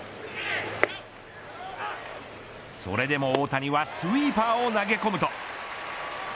それでも大谷はスイーパーを投げ込むと。